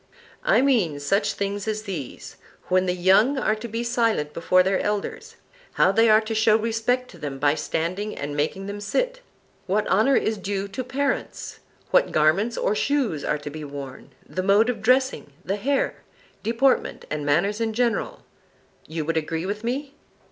I mean such things as these:—when the young are to be silent before their elders; how they are to show respect to them by standing and making them sit; what honour is due to parents; what garments or shoes are to be worn; the mode of dressing the hair; deportment and manners in general. You would agree with me?